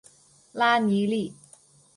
拉尼利。